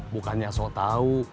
bukannya so tau